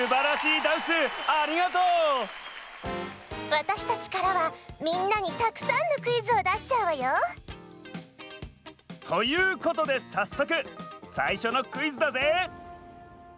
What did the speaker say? わたしたちからはみんなにたくさんのクイズをだしちゃうわよ。ということでさっそくさいしょのクイズだぜ！